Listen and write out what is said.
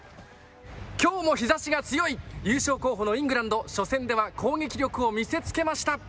きょうも日ざしが強い、優勝候補のイングランド、初戦では攻撃力を見せつけました。